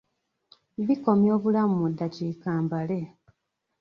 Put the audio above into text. Bikomya obulamu mu ddakiika mbale.